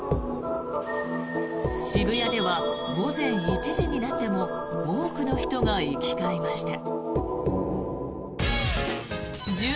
渋谷では午前１時になっても多くの人が行き交いました。